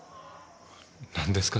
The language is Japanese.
何ですか？